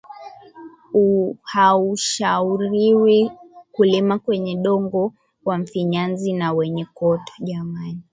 Uhaushauriwi kulima kwenye dongo wa mfinyazi na wenye kokoto